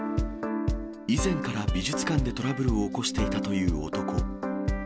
以前から美術館でトラブルを起こしていたという男。